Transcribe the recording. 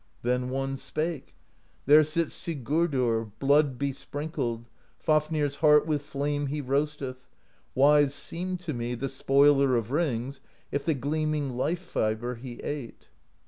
Then one spake: There sits Sigurdr Blood besprinkled, Fafnir's heart With flame he roasteth: Wise seemed to me The Spoiler of Rings If the gleaming Life fibre he ate.